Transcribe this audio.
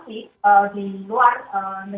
di korea selatan